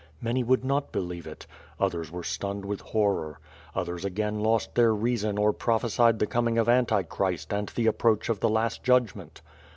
Many would not believe it; others were stunned with horror; others again lost their reason or prophe sied the coming of Auti C'hrist and the approach of the Ijast Judgment.